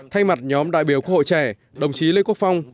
thay mặt nhóm đại biểu quốc hội trẻ đồng chí lê quốc phong